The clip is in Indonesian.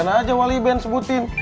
kalian aja wali iben sebutin